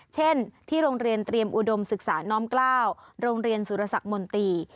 เช่นที่โรงเรียนเตรียมอุดมศึกษาน้อมกล้าวโรงเรียนสุรสักมนตรี